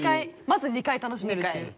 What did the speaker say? まず２回楽しめるという。